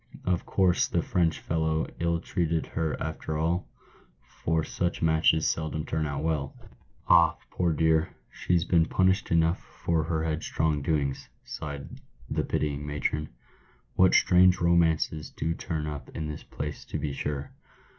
Of course the French fellow ill treated her after all ? for such matches seldom turn out well." " Ah ! poor dear, she's been punished enough for her headstrong doings," sighed the pitying matron. "What strange romances do turn up in this place to be sure